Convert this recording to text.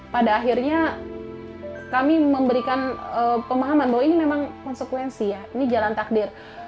pada akhirnya kami memberikan pemahaman bahwa ini memang konsekuensi ya ini jalan takdir